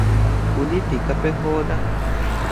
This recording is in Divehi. ކުލީ ޕިކަޕެއް ހޯދަން